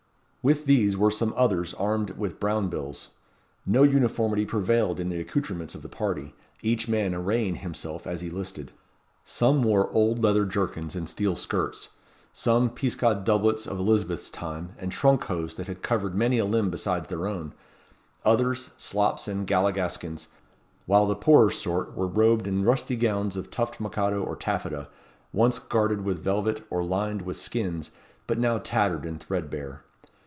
With these were some others armed with brown bills. No uniformity prevailed in the accoutrements of the party, each man arraying himself as he listed. Some wore old leather jerkins and steel skirts; some, peascod doublets of Elizabeth's time, and trunk hose that had covered many a limb besides their own; others, slops and galligaskins; while the poorer sort were robed in rusty gowns of tuft mockado or taffeta, once guarded with velvet or lined with skins, but now tattered and threadbare.